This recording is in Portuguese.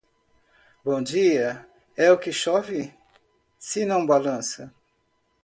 Bom dia é o que chove, se não balança.